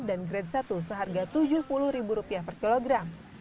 dan grade satu seharga rp tujuh puluh per kilogram